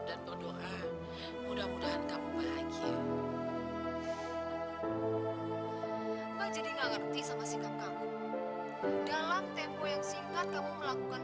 sudah kamu bahagia menjadi gak ngerti sama sikap kamu dalam tempo yang singkat kamu melakukan